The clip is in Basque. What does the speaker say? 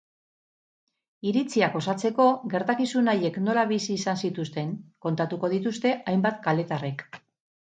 Iritziak osatzeko, gertakizun haiek nola bizi izan zituzten kontatuko dituzte hainbat kaletarrek.